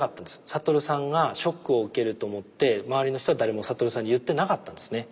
覚さんがショックを受けると思って周りの人は誰も覚さんに言ってなかったんですね。